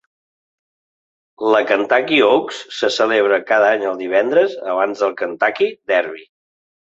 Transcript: La Kentucky Oaks se celebra cada any el divendres abans del Kentucky Derby.